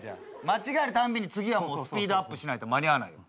間違えるたんびに次はもうスピードアップしないと間に合わないよ。